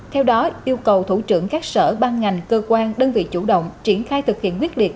theo đó yêu cầu thủ trưởng các sở ban ngành cơ quan đơn vị chủ động triển khai thực hiện quyết liệt